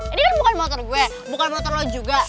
ini kan bukan motor gue bukan motor lo juga